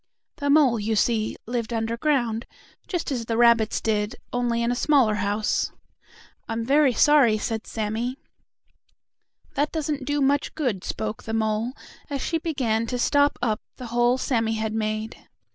The mole, you see, lived underground, just as the rabbits did, only in a smaller house. "I'm very sorry," said Sammie. "That doesn't do much good," spoke the mole, as she began to stop up the hole Sammie had made.